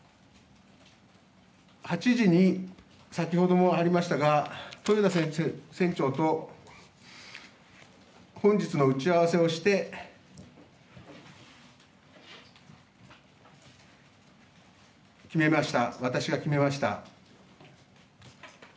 ８時に先ほどもありましたが豊田船長と本日の打ち合わせをして決めました、私が決めました。